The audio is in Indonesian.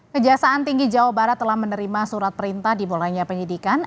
kejaksaan tinggi jawa barat telah menerima surat perintah dimulainya penyidikan